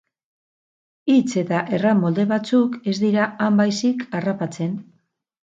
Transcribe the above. Hitz eta erran molde batzuk ez dira han baizik harrapatzen.